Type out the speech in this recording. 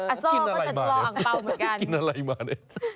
อัสโซ่ก็จะรออังเปร่าเหมือนกัน